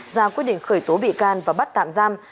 ra quyết định khởi tố bị can và bắt tạm giam